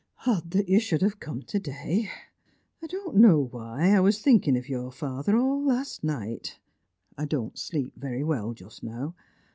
"Odd that you should have come to day. I don't know why, I was thinking of your father all last night I don't sleep very well just now.